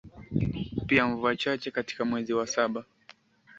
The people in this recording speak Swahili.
pia mvua chache katika mwezi wa saba